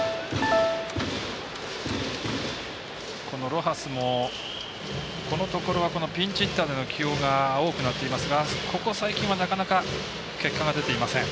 ロハスも、このところはピンチヒッターでの起用が多くなっていますが、ここ最近はなかなか、結果が出ていません。